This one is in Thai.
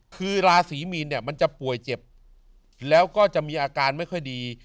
คือราศีมีนเนี่ยมันจะป่วยเจ็บแล้วก็จะมีอาการไม่ค่อยดี